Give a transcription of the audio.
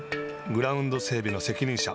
グラウンド整備の責任者